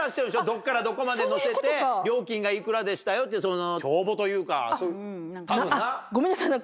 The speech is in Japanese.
どこからどこまで乗せて料金が幾らでしたよって帳簿というか多分な。